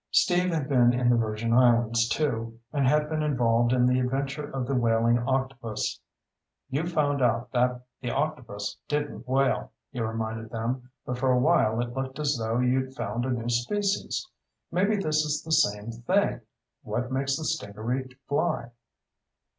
Steve had been in the Virgin Islands, too, and had been involved in the adventure of The Wailing Octopus. "You found out that the octopus didn't wail," he reminded them, "but for a while it looked as though you'd found a new species. Maybe this is the same thing. What makes the stingaree fly?"